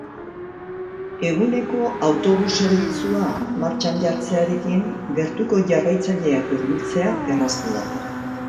Eguneko autobus zerbitzua martxan jartzearekin gertuko jarraitzaileak hurbiltzea erraztu da.